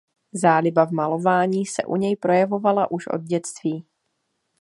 Záliba v malování se u něj projevovala už od dětství.